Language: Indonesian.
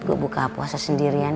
gue buka puasa sendirian